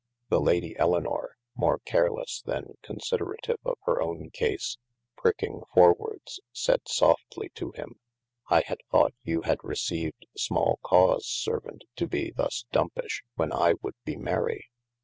The Lady Elynor (more carelesse then considerative of hir owne case) pricking forwardes sayd softly to him, I had thought you had received small cause servaunt to be thus dumpish, when I would be mery.